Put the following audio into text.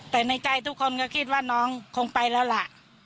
แต่ในใจทุกคนก็คิดว่าน้องคงไปแล้วล่ะ